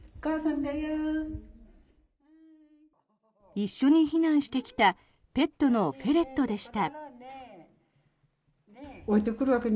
一緒に避難してきたペットのフェレットでした。